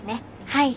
はい。